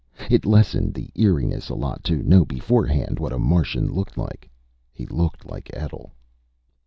It lessened the eeriness a lot to know beforehand what a Martian looked like. He looked like Etl.